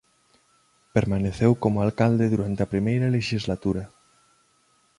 Permaneceu como alcalde durante a primeira lexislatura.